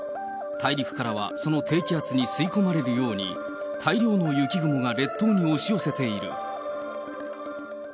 大陸からはその低気圧に吸い込まれるように、大量の雪雲が列島に押し寄せている。